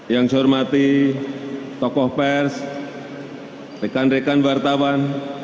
yang saya hormati tokoh pers rekan rekan wartawan